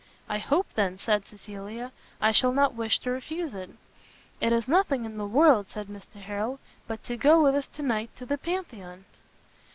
"I hope, then," said Cecilia, "I shall not wish to refuse it." "It is nothing in the world," said Mr Harrel, "but to go with us to night to the Pantheon."